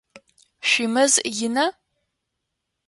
Шъуимэз ина?